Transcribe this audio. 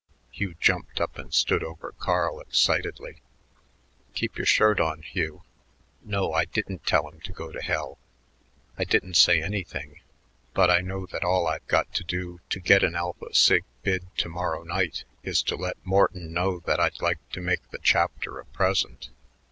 Hugh jumped up and stood over Carl excitedly. "Keep your shirt on, Hugh. No, I didn't tell him to go to hell. I didn't say anything, but I know that all I've got to do to get an Alpha Sig bid to morrow night is to let Morton know that I'd like to make the chapter a present.